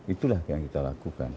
itulah yang kita lakukan